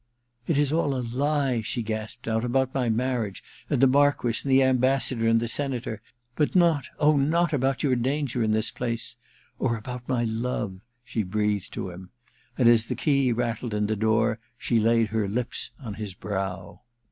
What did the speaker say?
' It is all a lie/ she gasped out, * about my marriage, and the Marquess, and the Am bassador, and the Senator — but not, oh, not about your danger in this place — or about my love,' she breathed to him. And as the key rattled in the door she laid her lips on his brow.